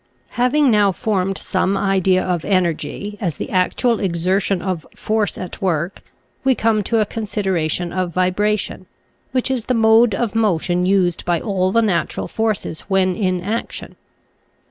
Having now formed some idea of Energy, as the actual exertion of Force at work, we come to a consideration of Vibration, which is the mode of motion used by all the natural forces when in action.